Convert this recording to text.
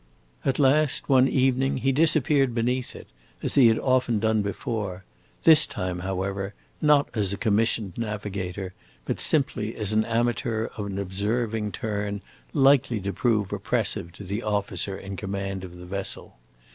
At last, one evening, he disappeared beneath it, as he had often done before; this time, however, not as a commissioned navigator, but simply as an amateur of an observing turn likely to prove oppressive to the officer in command of the vessel.